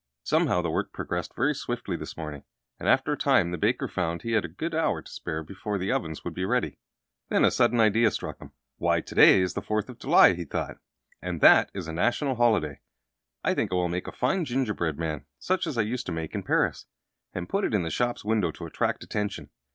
Somehow, the work progressed very swiftly this morning, and after a time the baker found he had a good hour to spare before the ovens would be ready. Then a sudden idea struck him. "Why, to day is the Fourth of July," he thought, "and that is a National Holiday. I think I will make a fine gingerbread man, such as I used to make in Paris, and put it in the shop window to attract attention.